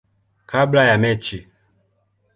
kabla ya mechi.